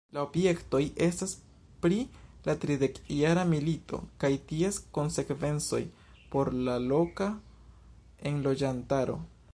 La objektoj estas pri la Tridekjara milito kaj ties konsekvencoj por la loka enloĝantaro.